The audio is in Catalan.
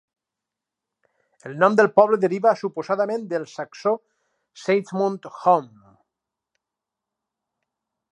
El nom del poble deriva suposadament del saxó "Seizmond's Home".